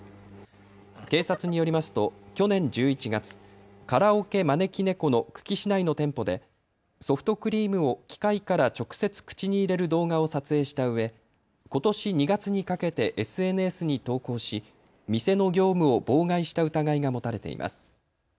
警察によりますと去年１１月、カラオケまねきねこの久喜市内の店舗でソフトクリームを機械から直接、口に入れる動画を撮影したうえことし２月にかけてＳＮＳに投稿し、店の業務を妨害した疑いが持たれています。